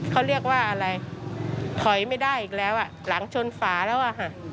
เขาเรียกว่าอะไรถอยไม่ได้อีกแล้วอ่ะหลังชนฝาแล้วอ่ะค่ะ